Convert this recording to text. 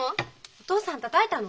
お父さんたたいたの？